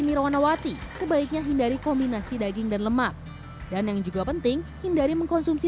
nirawanawati sebaiknya hindari kombinasi daging dan lemak dan yang juga penting hindari mengkonsumsi